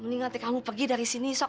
mendingan teh kamu pergi dari sini sok